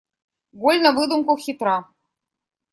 Голь на выдумку хитра.